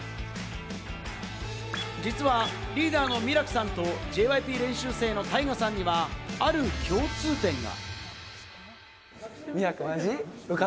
実はリーダーのミラクさんとＪＹＰ練習生のタイガさんにはある共通点が。